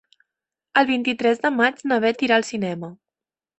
El vint-i-tres de maig na Beth irà al cinema.